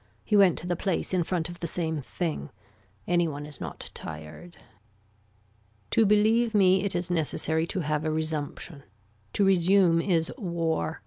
He went to the place in front of the same thing. Any one is not tired. To believe me it is necessary to have a resumption. To resume is war.